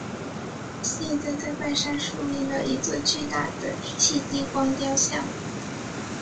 现在在半山竖立了一座巨大的戚继光雕像。